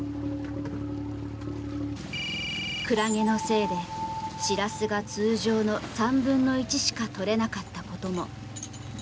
クラゲのせいでシラスが通常の３分の１しか取れなかったことも。